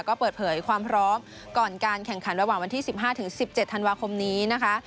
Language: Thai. ก็เปิดเผยความพร้อมก่อนการแข่งขันระหว่างวันที่๑๕๑๗ธันวาคมนี้นะคะ